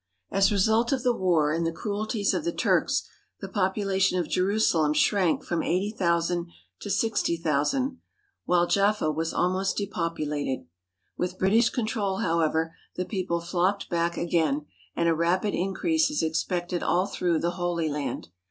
As a result of the war, and the cruelties of the Turks, the population of Jerusalem shrank from eighty thousand to sixty thousand, while Jaffa was almost depopulated. 282 PALESTINE AND SYRIA UNDER NEW RULERS With British control, however, the people flocked back again, and a rapid increase is expected all through the Holy Land.